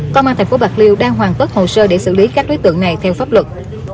công an tp bạc liêu đang hoàn tất hồ sơ để xử lý các đối tượng này theo pháp luật